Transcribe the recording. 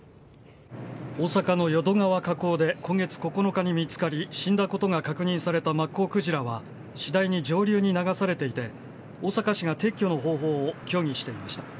大阪の淀川河口で今月９日に見つかり、死んだことが確認されたマッコウクジラは、次第に上流に流されていて、大阪市が撤去の方法を協議していました。